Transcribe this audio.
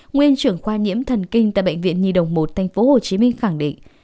nguyên trưởng khoa nhiễm thần kinh tại bệnh viện nhi đồng một tp hcm khẳng định